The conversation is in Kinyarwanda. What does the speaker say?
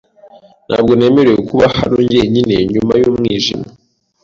Ntabwo nemerewe kuba hano jyenyine nyuma y'umwijima.